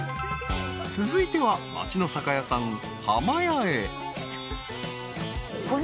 ［続いては町の酒屋さん］